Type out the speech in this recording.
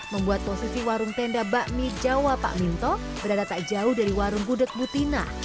membuat posisi warung tenda bakmi jawa pak minto berada tak jauh dari warung gudeg butina